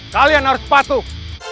kalian harus patuh